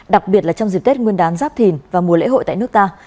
đặc biệt là trong dịp tết nguyên đán giáp thìn và mùa lễ hội tại nước ta